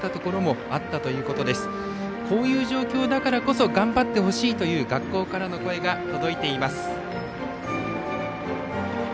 こういう状況だからこそ頑張ってほしいという学校からの声が届いています。